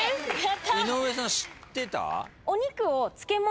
井上さん知ってた？